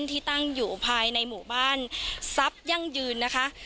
ที่ตั้งอยู่ภายในหมู่บ้านทรัพย์ยั่งยืนนะคะ